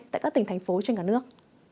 tại các tỉnh thành phố trên cả nước